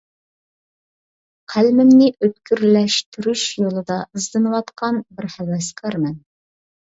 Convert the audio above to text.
قەلىمىمنى ئۆتكۈرلەشتۈرۈش يولىدا ئىزدىنىۋاتقان بىر ھەۋەسكارمەن.